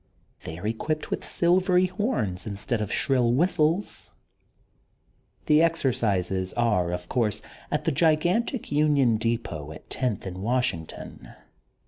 They are equipped with silvery horns instead of shrill whistles. The exercises are, of course, at the gigantic Union Depot at Tenth and Washington.